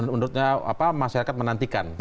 menurutnya masyarakat menantikan